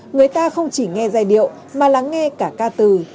người ta không chỉ nghe giai điệu mà lắng nghe cả ca từ